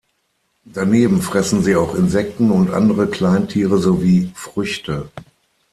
Daneben fressen sie auch Insekten und andere Kleintiere sowie Früchte.